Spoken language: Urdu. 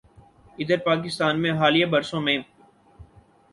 ادھر پاکستان میں حالیہ برسوں میں